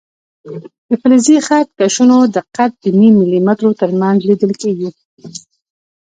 د فلزي خط کشونو دقت د نیم ملي مترو تر منځ لیدل کېږي.